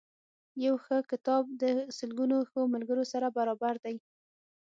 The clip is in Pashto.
یو ښه کتاب د سلګونو ښو ملګرو سره برابر دی.